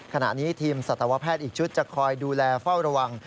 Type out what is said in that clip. ขณะนี้ทีมสัตวแพทย์อีกชุดจะคอยดูแลเฝ้าระวัง